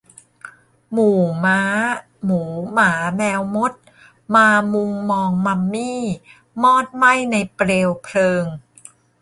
หมู่ม้าหมูหมาแมวมด มามุงมองมัมมี่มอดไหม้ในเปลวเพลิง